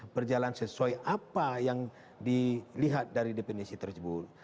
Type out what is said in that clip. berjalan sesuai apa yang dilihat dari definisi tersebut